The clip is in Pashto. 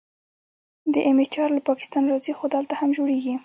د ام اچار له پاکستان راځي خو دلته هم جوړیږي.